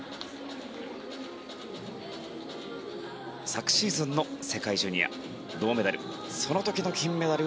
昨シーズンの世界ジュニア銅メダル。